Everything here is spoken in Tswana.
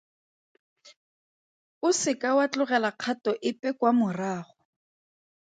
O se ke wa tlogela kgato epe kwa morago.